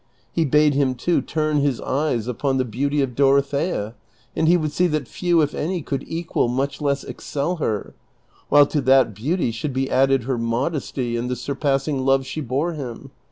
He bade him, too, turn his eyes upon the beauty of Dorothea and he would see that few if any could equal much less excel her ; while to that beauty should be added her modesty and the surpassing love she bore him.